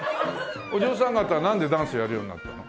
お嬢さん方はなんでダンスやるようになったの？